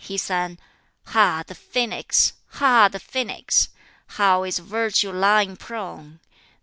He sang "Ha, the phoenix! Ha, the phoenix! How is Virtue lying prone!